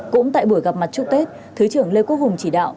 cũng tại buổi gặp mặt chúc tết thứ trưởng lê quốc hùng chỉ đạo